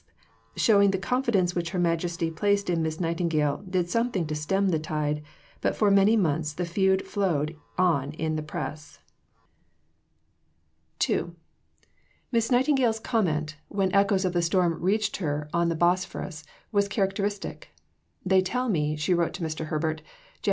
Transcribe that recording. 215), showing the confidence which Her Majesty placed in Miss Nightingale, did something to stem the tide, but for many months the feud flowed on in the press. See above, p. 154 n. Scutari and its Hospitals, p. 26. II Miss Nightingale's comment, when echoes of the storm reached her on the Bosphorus, was characteristic. "They tell me," she wrote to Mr. Herbert (Jan.